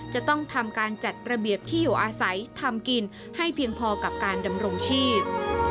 จะต้องทำการจัดระเบียบที่อยู่อาศัยทำกินให้เพียงพอกับการดำรงชีพ